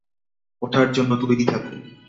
ওঠার জন্য তৈরি থাকো।